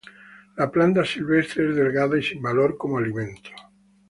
La planta silvestre es delgada y sin valor como alimento.